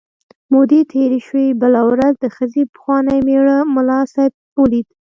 مودې تېرې شوې، بله ورځ د ښځې پخواني مېړه ملا صاحب ولید.